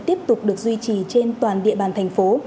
tiếp tục được duy trì trên toàn địa bàn thành phố